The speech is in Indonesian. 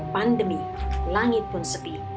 pandemi langit pun sepi